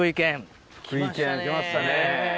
福井県来ましたね。